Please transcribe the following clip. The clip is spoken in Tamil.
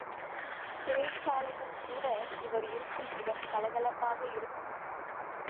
சிறைச்சாலையில் கூட இவர் இருக்கும் இடம் கலகலப்பாக இருக்கும்.